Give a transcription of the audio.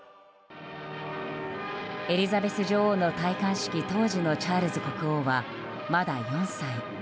エリザベス女王の戴冠式当時のチャールズ国王は、まだ４歳。